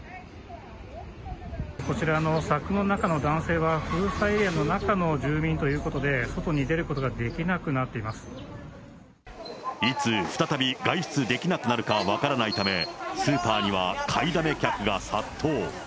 こちらの柵の中の男性は、封鎖エリアの中の住民ということで、外に出ることができなくなっいつ、再び外出できなくなるか分からないため、スーパーには買いだめ客が殺到。